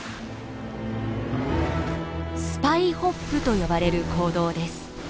スパイホップと呼ばれる行動です。